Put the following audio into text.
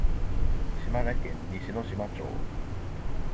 島根県西ノ島町